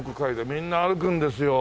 みんな歩くんですよ